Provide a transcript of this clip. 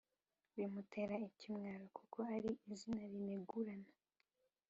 bimutera ikimwaro kuko ari izina rinegurana